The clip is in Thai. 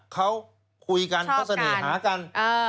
เขาคุยกันเขาเสน่หากัน